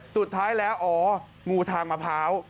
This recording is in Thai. สุดท้ายแล้วอ๋องูทางมะพร้าว